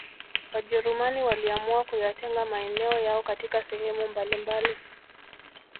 Wajerumani waliamua kuyatenga maeneo yao katika sehemu mbalimabali